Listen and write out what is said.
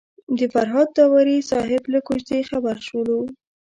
د فرهاد داوري صاحب له کوژدې خبر شولو.